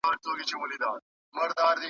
د لاسي صنايعو تبادله څنګه کيده؟